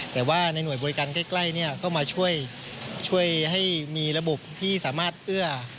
แต่ว่าในหน่วยบริการใกล้ก็มาช่วยให้มีระบบที่สามารถเอื้อ